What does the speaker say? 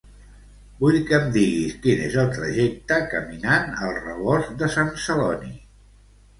Vull que em diguis quin és el trajecte caminant al Rebost de Sant Celoni.